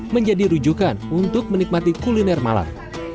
menjadi rujukan untuk menikmati kuliner malam